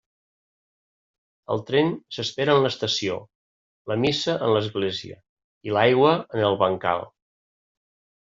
El tren s'espera en l'estació, la missa en l'església, i l'aigua en el bancal.